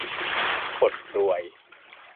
อดรวย